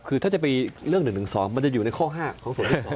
คือถ้าจะไปเรื่อง๑๑๒มันจะอยู่ในข้อ๕ของส่วน๑๒